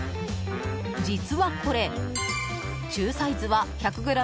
実はこれ、中サイズは１００ｇ